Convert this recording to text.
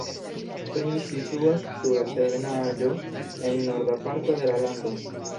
Springs situas sur altebenaĵo en norda parto de la lando.